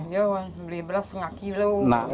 ya beli beras setengah kilo